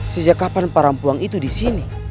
sejak kapan para empoang itu disini